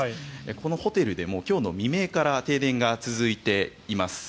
このホテルでも今日の未明から停電が続いています。